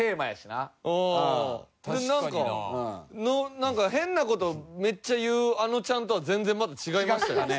なんか変な事めっちゃ言うあのちゃんとは全然また違いましたよね。